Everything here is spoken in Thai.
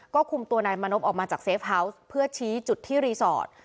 ก็คุมตัวนายมานพออกมาจากเซฟเฮาวส์เพื่อชี้จุดที่รีสอร์ท